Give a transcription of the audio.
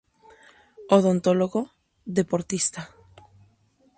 Odontólogo, deportista.